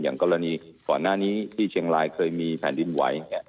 อย่างกรณีก่อนหน้านี้ที่เชียงรายเคยมีแผ่นดินไหว